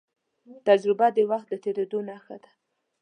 تجربه د وخت د تېرېدو نښه ده.